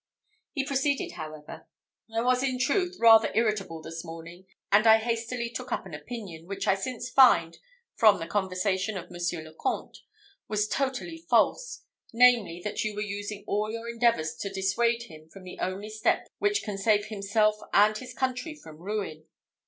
He proceeded, however: "I was, in truth, rather irritable this morning, and I hastily took up an opinion, which I since find, from the conversation of Monsieur le Comte, was totally false; namely, that you were using all your endeavours to dissuade him from the only step which can save himself and his country from ruin.